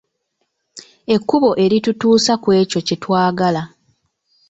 Ekkubo eritutuusa ku ekyo kye twagala.